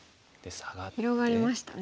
広がりましたね。